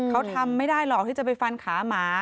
เขาทำไม่ได้หรอกที่จะไปฟันขาหมา